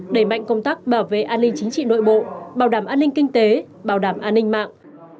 đẩy mạnh công tác bảo vệ an ninh chính trị nội bộ bảo đảm an ninh kinh tế bảo đảm an ninh mạng